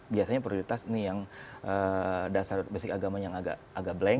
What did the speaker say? biasanya prioritas ini yang dasar basic agama yang agak blank